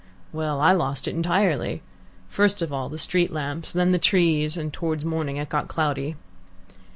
"Well, I lost it entirely. First of all the street lamps, then the trees, and towards morning it got cloudy."